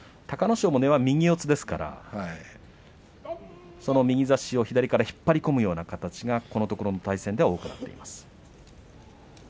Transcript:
隆の勝は右四つですからその右差しを左から引っ張り込むような形がこのところの対戦では多くなっています。